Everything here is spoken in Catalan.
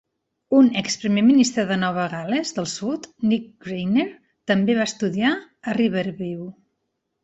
Un exprimer ministre de Nova Gal·les del Sud, Nick Greiner, també va estudiar a Riverview.